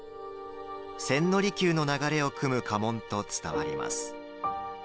千利休の流れをくむ家紋と伝わります。